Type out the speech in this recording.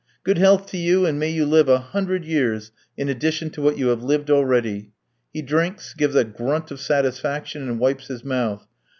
"Good health to you, and may you live a hundred years in addition to what you have lived already." He drinks, gives a grunt of satisfaction, and wipes his mouth.